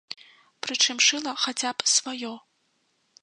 Прычым шыла хаця б сваё.